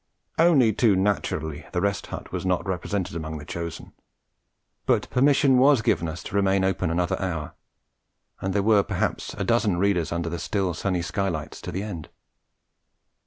Only too naturally, the Rest Hut was not represented among the chosen. But permission was given us to remain open another hour; and there were perhaps a dozen readers under the still sunny skylights to the end.